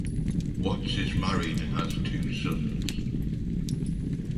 Watts is married and has two sons.